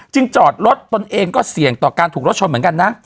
จอดรถตนเองก็เสี่ยงต่อการถูกรถชนเหมือนกันนะ